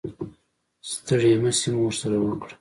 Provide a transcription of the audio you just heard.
ستړې مسې مو ورسره وکړه.